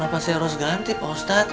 kenapa saya harus ganti pak ustadz